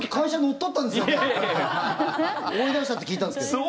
追い出したって聞いたんですけど。